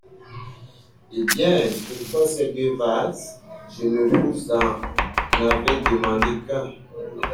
Eh bien ! pourquoi ces deux vases ? je ne vous en avais demandé qu’un.